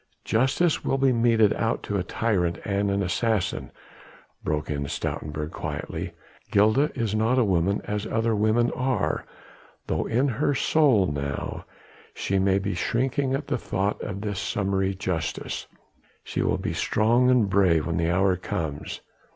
"Justice will be meted out to a tyrant and an assassin," broke in Stoutenburg quietly. "Gilda is not a woman as other women are, though in her soul now she may be shrinking at the thought of this summary justice, she will be strong and brave when the hour comes.